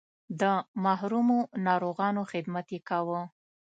د محرومو ناروغانو خدمت یې کاوه.